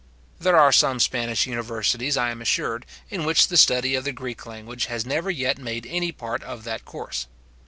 There are some Spanish universities, I am assured, in which the study of the Greek language has never yet made any part of that course.